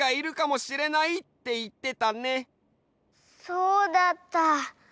そうだった。